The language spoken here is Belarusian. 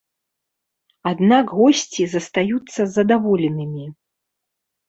Аднак госці застаюцца задаволенымі.